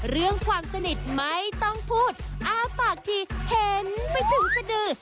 เรื่องความสนิทไม่ต้องพูดอ้าฝากทีเห็นไปถึงสดือ